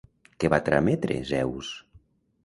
Què va trametre Zeus?